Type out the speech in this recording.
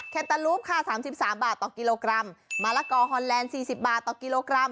แคนตาลูปค่ะสามสิบสามบาทต่อกิโลกรัมมะละกอฮอนแลนด์สี่สิบบาทต่อกิโลกรัม